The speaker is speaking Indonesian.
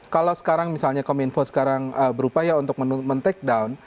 kalau sekarang misalnya kominfo sekarang berupaya untuk men take down